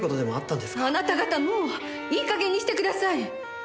あなた方もういい加減にしてください！